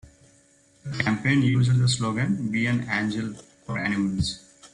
The campaign used the slogan Be an Angel for Animals.